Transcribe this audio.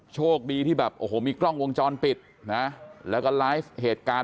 โชคดีที่แบบโอ้โหมีกล้องวงจรปิดนะแล้วก็ไลฟ์เหตุการณ์